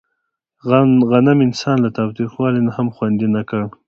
غنم انسان له تاوتریخوالي نه هم خوندي نه کړ.